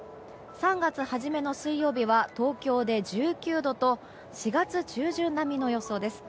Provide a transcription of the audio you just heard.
３月初めの水曜日は東京で１９度と４月中旬並みの予想です。